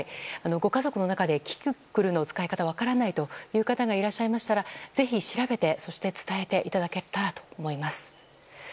ご家族の中でキキクルの使い方が分からない方がいらっしゃいましたらぜひ調べて伝えていただけたらと思います。